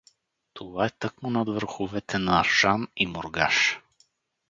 Това е тъкмо над върховете на Ржан и Мургаш.